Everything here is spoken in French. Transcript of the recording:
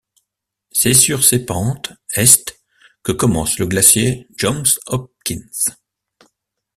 C'est sur ses pentes est que commence le glacier Johns Hopkins.